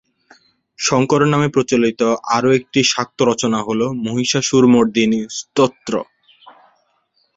শঙ্করের নামে প্রচলিত আরও একটি শাক্ত রচনা হল "মহিষাসুরমর্দিনী স্তোত্র"।